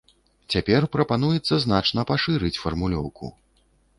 Цяпер прапануецца значна пашырыць фармулёўку.